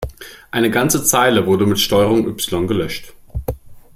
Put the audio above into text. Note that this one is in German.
Eine ganze Zeile wurde mit Strg-Y gelöscht.